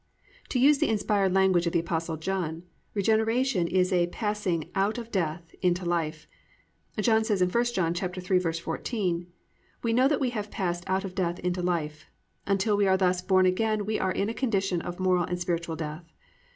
"+ To use the inspired language of the Apostle John, regeneration is a passing "out of death into life." John says in 1 John 3:14, +"We know that we have passed out of death into life."+ _Until we are thus born again we are in a condition of moral and spiritual death.